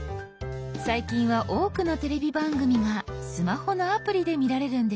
最近は多くのテレビ番組がスマホのアプリで見られるんですよ。